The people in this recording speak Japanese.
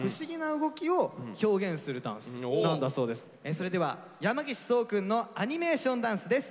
それでは山岸想くんのアニメーションダンスです。